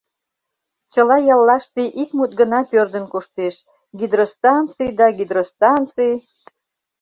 Чыла яллаште ик мут гына пӧрдын коштеш: гидростанций да гидростанций...